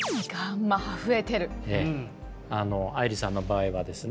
愛理さんの場合はですね